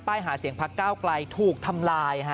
ป้ายหาเสียงพักก้าวกล่ายทูกทำลายฮะ